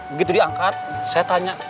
begitu diangkat saya tanya